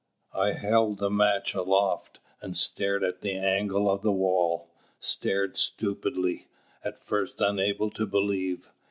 I held the match aloft, and stared at the angle of the wall; stared stupidly, at first unable to believe.